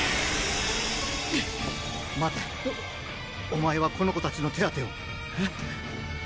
待てお前はこの子たちの手当てをえっ？